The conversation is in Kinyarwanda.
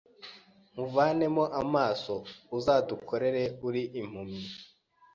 nkuvanemo amaso uzadukorere uri impumyi